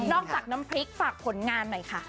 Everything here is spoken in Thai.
จากน้ำพริกฝากผลงานหน่อยค่ะ